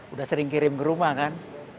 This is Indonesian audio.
udah sering kirim ke rumah kan